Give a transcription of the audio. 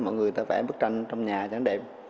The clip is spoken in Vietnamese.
mọi người ta vẽ bức tranh trong nhà cho nó đẹp